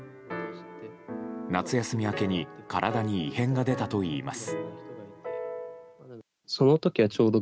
夏休み明けに体に異変が出たといいます。